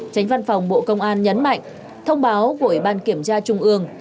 tránh văn phòng bộ công an nhấn mạnh thông báo của ủy ban kiểm tra trung ương